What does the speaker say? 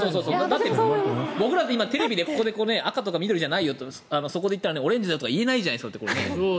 だって、僕らこうやってテレビで赤とか緑じゃないと言ったらそこで言ったらオレンジだとか言えないじゃないですか。